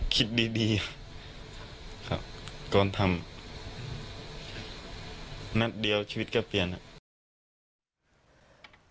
คิดดีดีครับก่อนทำนัดเดียวชีวิตก็เปลี่ยนครับ